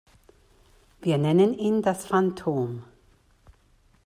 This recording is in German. Wir nennen ihn das Phantom.